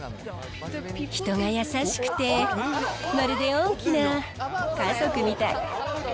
人が優しくて、まるで大きな家族みたい。